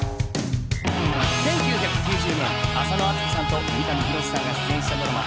１９９０年、浅野温子さんと三上博史さんが出演したドラマ